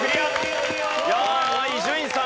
伊集院さん